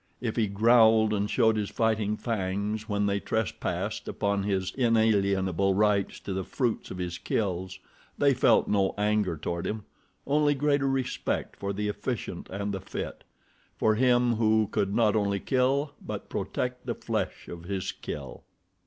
If he growled and showed his fighting fangs when they trespassed upon his inalienable rights to the fruits of his kills they felt no anger toward him—only greater respect for the efficient and the fit—for him who could not only kill but protect the flesh of his kill.